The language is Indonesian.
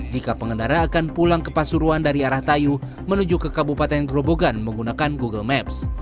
jika pengendara akan pulang ke pasuruan dari arah tayu menuju ke kabupaten grobogan menggunakan google maps